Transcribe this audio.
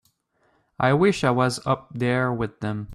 I wish I was up there with them.